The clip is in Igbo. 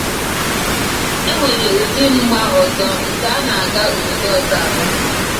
E nwere ụdị mgba ọzọ nke a na-aga obodo ọzọ agba